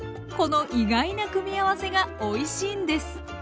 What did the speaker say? この意外な組み合わせがおいしいんです！